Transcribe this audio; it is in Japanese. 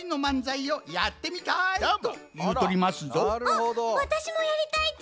あっわたしもやりたいち！